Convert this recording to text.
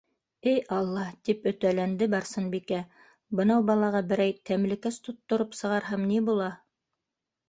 «Эй Алла, - тип өтәләнде Барсынбикә, - бынау балаға берәй тәмлекәс тоттороп сығарһам ни була?!»